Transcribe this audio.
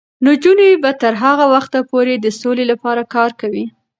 نجونې به تر هغه وخته پورې د سولې لپاره کار کوي.